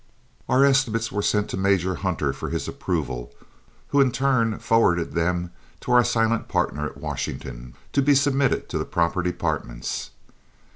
Our estimates were sent to Major Hunter for his approval, who in turn forwarded them to our silent partner at Washington, to be submitted to the proper departments.